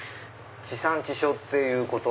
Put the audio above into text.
地産地消っていうこと？